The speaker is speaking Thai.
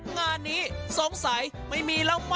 งานนี้สงสัยไม่มีแล้วมั